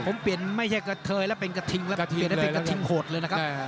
ผมเปลี่ยนไม่ใช่กระเทยแล้วเป็นกระทิงแล้วเปลี่ยนได้เป็นกระทิงโหดเลยนะครับ